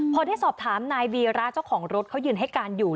พอได้สอบถามนายวีระเจ้าของรถเขายืนให้การอยู่